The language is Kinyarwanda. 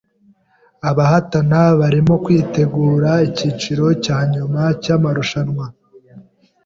Abahatana barimo kwitegura icyiciro cya nyuma cyamarushanwa.